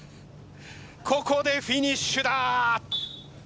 ここでフィニッシュだ！